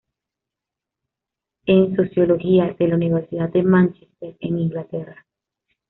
En Sociología de la Universidad de Mánchester en Inglaterra.